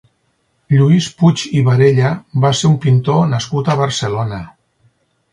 Lluís Puig i Barella va ser un pintor nascut a Barcelona.